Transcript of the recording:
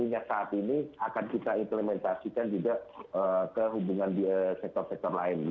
minyak saat ini akan kita implementasikan juga ke hubungan di sektor sektor lain